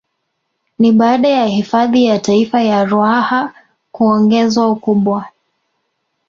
Ni baada ya hifadhi ya Taifa ya Ruaha kuongezwa ukubwa